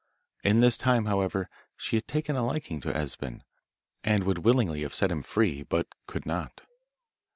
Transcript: In this time however, she had taken a liking to Esben, and would willingly have set him free, but could not.